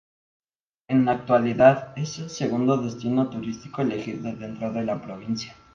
En la actualidad, es el segundo destino turístico elegido dentro de la provincia.